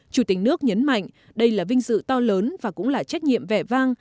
chủ tịch nước nhấn mạnh đây là vinh dự to lớn và cũng là trách nhiệm vẻ vang